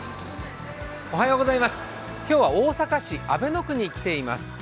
今日は大阪市阿倍野区に来ています。